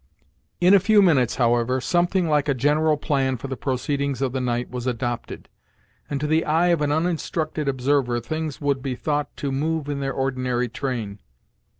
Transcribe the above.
In a few minutes, however, something like a general plan for the proceedings of the night was adopted, and to the eye of an uninstructed observer things would be thought to move in their ordinary train.